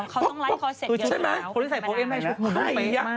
ใครละ